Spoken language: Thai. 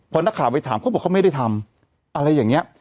พอนักข่าวไปถามเขาบอกเขาไม่ได้ทำอะไรอย่างนี้